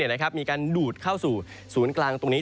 มีการดูดเข้าสู่ศูนย์กลางตรงนี้